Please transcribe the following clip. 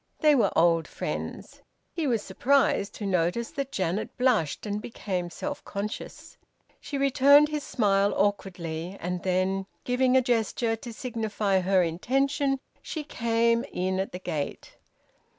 They were old friends. He was surprised to notice that Janet blushed and became self conscious. She returned his smile awkwardly, and then, giving a gesture to signify her intention, she came in at the gate.